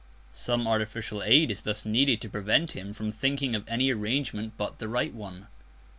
Some artificial aid is thus needed to prevent him from thinking of any arrangement but the right one.